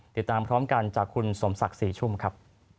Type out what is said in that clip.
ติดตามพร้อมกันจากคุณสมศักดิ์ศรีชุ่มครับ